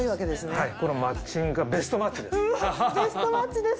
はいこのマッチングがベストマッチです。